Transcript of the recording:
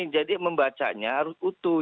jadi membacanya harus utuh